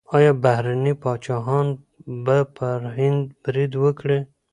ایا بهرني پاچاهان به پر هند برید وکړي؟